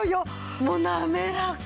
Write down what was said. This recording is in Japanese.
もう滑らか。